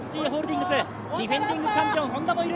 ディフェンディングチャンピオン・Ｈｏｎｄａもいる。